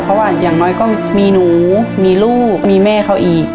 เพราะว่าอย่างน้อยก็มีหนูมีลูกมีแม่เขาอีก